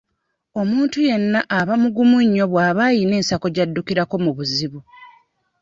Omuntu yenna aba mugumu nnyo bw'aba ayina ensako gy'addukirako mu buzibu.